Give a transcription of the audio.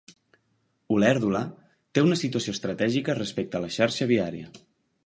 Olèrdola té una situació estratègica respecte a la xarxa viària.